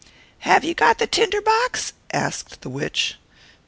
"Have you got the tinder box?" asked the witch.